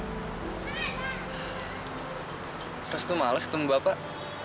terus kamu males ketemu bapak